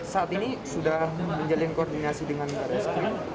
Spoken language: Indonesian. saat ini sudah menjalin koordinasi dengan baris krim